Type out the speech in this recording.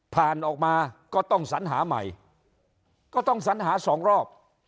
ผ่านออกมาก็ต้องสัญหาใหม่ก็ต้องสัญหาสองรอบ